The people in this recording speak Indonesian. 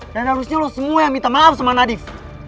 dan harusnya lu semua yang minta maaf sama nadif